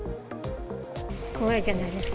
怖いじゃないですか。